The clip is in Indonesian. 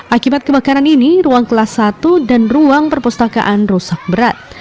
akibat kebakaran ini ruang kelas satu dan ruang perpustakaan rusak berat